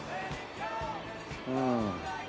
うん。